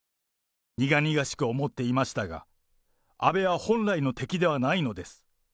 苦々しくは思っていましたが、安倍は本来の敵ではないのです。